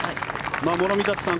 諸見里さん